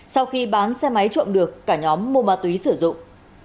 sau khi bán xe máy trộm được cả nhóm mua ma túy sử dụng